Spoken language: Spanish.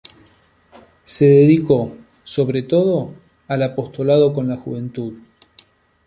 Se dedicó, sobre todo, al apostolado con la juventud.